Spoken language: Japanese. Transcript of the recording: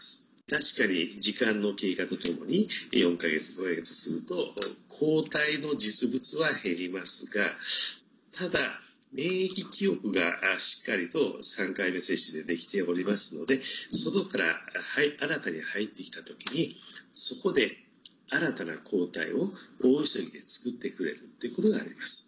確かに時間の経過とともに４か月、５か月すると抗体の実物は減りますがただ、免疫記憶がしっかりと３回目接種でできておりますので外から新たに入ってきたときにそこで新たな抗体を大急ぎで作ってくれるということがあります。